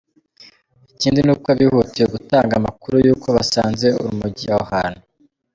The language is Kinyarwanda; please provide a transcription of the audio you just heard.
Ikindi ni uko bihutiye gutanga amakuru y’uko basanze urumogi aho hantu.